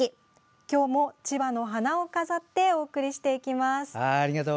今日も千葉の花を飾ってお送りしていきます。